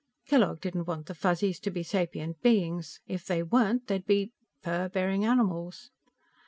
Kellogg didn't want the Fuzzies to be sapient beings. If they weren't they'd be ... fur bearing animals.